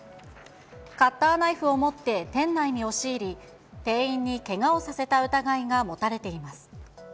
カッターナイフを持って店内に押し入り、店員にけがをさせた疑いが持たれています。